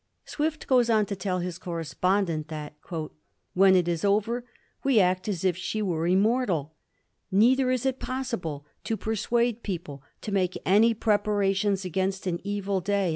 Swift goes on to tell his correspondent that 'when it is over we act as if she were immortal, neither is it possible to persuade people to make any preparations against an evil day.'